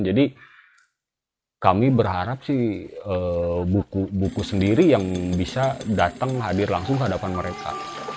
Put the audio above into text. jadi kami berharap sih buku buku sendiri yang bisa datang hadir langsung ke hadapan mereka